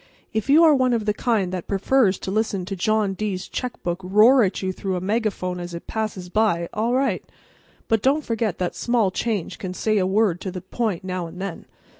If you are one of the kind that prefers to listen to John D's checkbook roar at you through a megaphone as it passes by, all right. But don't forget that small change can say a word to the point now and then.